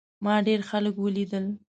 ما ډېر خلک ولیدل.